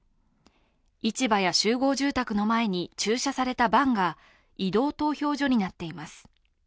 市場や集合住宅の前に駐車されたバンが移動投票所になっています。